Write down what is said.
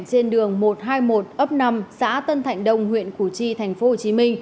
trên đường một trăm hai mươi một ấp năm xã tân thạnh đông huyện củ chi tp hcm